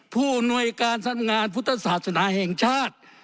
ผู้หน่วยการทำงานพุทธศาสนาแห่งชาติ